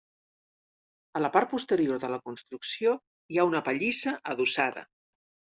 A la part posterior de la construcció hi ha una pallissa adossada.